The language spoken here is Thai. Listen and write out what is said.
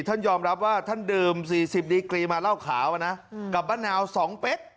ท่านยอมรับว่าท่านดื่ม๔๐ดีกรีมาเหล้าขาวนะกับมะนาว๒เป๊ก